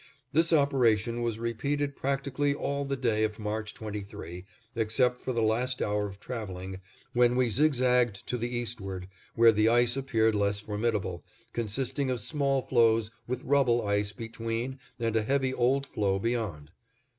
This operation was repeated practically all the day of March 23, except for the last hour of traveling, when we zigzagged to the eastward, where the ice appeared less formidable, consisting of small floes with rubble ice between and a heavy, old floe beyond.